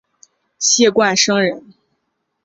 谢冠生人。